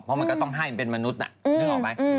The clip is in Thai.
เพราะมันก็ต้องให้มันเป็นมนุษย์นึกออกไหม